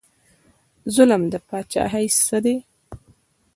ظلم د پاچاهۍ څه دی؟